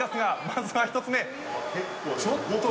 まずは１つ目。